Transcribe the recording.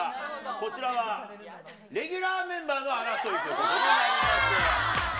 こちらはレギュラーメンバーの争いということになります。